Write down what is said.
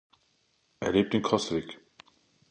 Er lebt in Coswig.